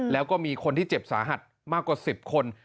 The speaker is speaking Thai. แล้วก็มีคนที่เจ็บสาหัสมากกว่า๑๐คน